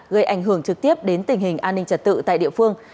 gây ảnh hưởng trực tiếp đến tình hình an ninh trật tự tại địa phương